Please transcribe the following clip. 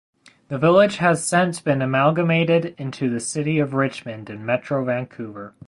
The village has since been amalgamated into the city of Richmond in Metro Vancouver.